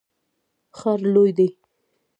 ښار لوی دی.